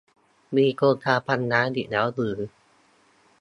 มีโครงการพันล้านอีกแล้วหรือ ?